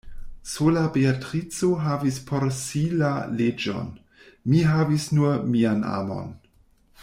Sola Beatrico havis por si la leĝon; mi havis nur mian amon.